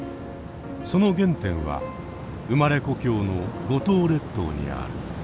その原点は生まれ故郷の五島列島にある。